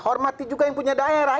hormati juga yang punya daerah